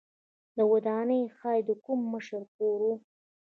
دا ودانۍ ښايي د کوم مشر کور و.